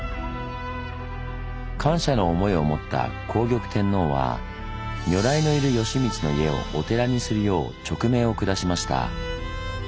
感謝の思いを持った皇極天皇は如来のいる善光の家をお寺にするよう勅命を下しました。